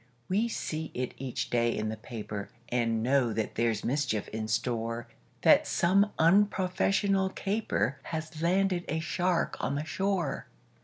We see it each day in the paper, And know that there's mischief in store; That some unprofessional caper Has landed a shark on the shore.